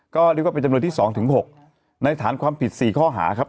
ก็เรียกว่าเป็นจำนวนที่๒๖ในฐานความผิด๔ข้อหาครับ